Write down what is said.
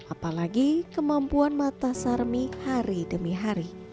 apalagi kemampuan mata sarmi hari demi hari